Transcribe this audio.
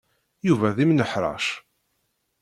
Yuba d imnecṛaḥ.